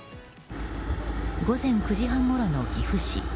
午前９時半後の岐阜市。